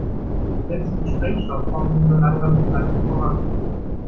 Selbst mit Sprengstoff kommen sie nur langsam im Granit voran.